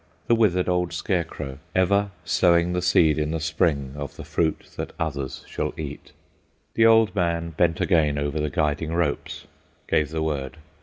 The withered old scarecrow—ever sowing the seed in the spring of the fruit that others shall eat. The old man bent again over the guiding ropes: gave the word.